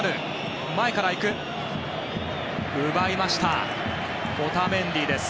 奪いましたオタメンディ。